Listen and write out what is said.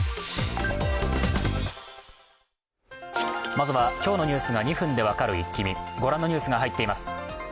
まずは今日のニュースが２分で分かるイッキ見ご覧のニュースが入っています。